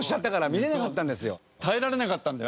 堪えられなかったんだよ。